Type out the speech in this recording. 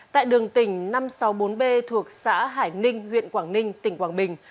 tại đường tỉnh năm trăm sáu mươi bốn b thuộc xã hải ninh huyện quảng ninh tỉnh quảng bình